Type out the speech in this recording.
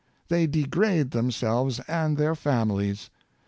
They degrade themselves and their families.